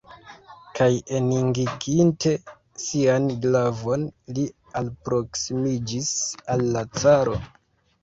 Kaj eningiginte sian glavon, li alproksimiĝis al la caro.